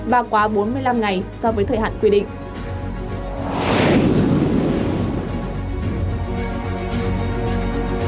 và quá bốn mươi năm ngày so với thời hạn quy định